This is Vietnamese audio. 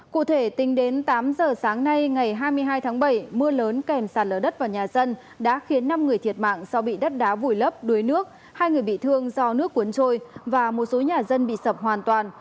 cụ thể tính đến tám giờ sáng nay ngày hai mươi hai tháng bảy mưa lớn kèm sạt lở đất vào nhà dân đã khiến năm người thiệt mạng do bị đất đá vùi lấp đuối nước hai người bị thương do nước cuốn trôi và một số nhà dân bị sập hoàn toàn